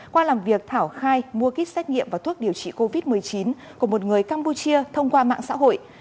qua làm việc thảo khai mua kích xét nghiệm và thuốc điều trị covid một mươi chín của một người campuchia thông qua mạng xã hội